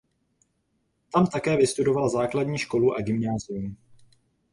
Tam také vystudoval základní školu a gymnázium.